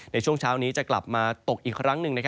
ในช่วงเช้านี้จะกลับมาตกอีกครั้งหนึ่ง